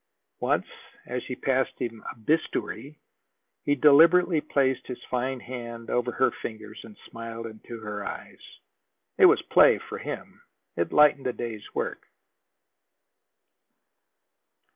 Once, as she passed him a bistoury, he deliberately placed his fine hand over her fingers and smiled into her eyes. It was play for him; it lightened the day's work.